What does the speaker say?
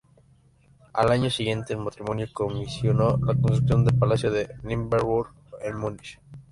Al año siguiente, el matrimonio comisionó la construcción del Palacio de Nymphenburg en Múnich.